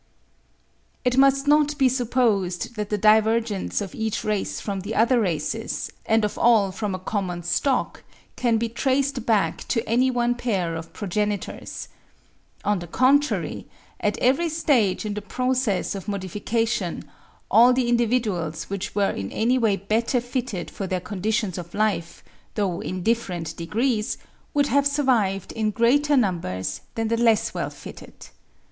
It must not be supposed that the divergence of each race from the other races, and of all from a common stock, can be traced back to any one pair of progenitors. On the contrary, at every stage in the process of modification, all the individuals which were in any way better fitted for their conditions of life, though in different degrees, would have survived in greater numbers than the less well fitted.